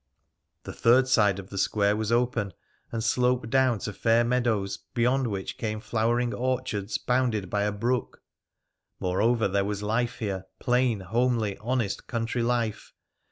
The third side of the square was open, and sloped down to fair meadows, beyond which came flowering orchards, bounded by a brook. Moreover, there was life here, plain, homely, honest country life.